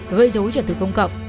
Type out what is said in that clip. gây dối trở tử công cộng